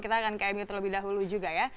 kita akan ke mu terlebih dahulu juga ya